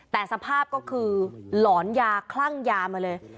แต่สภาพก็คือหลอนยาคลั่งยามาเลย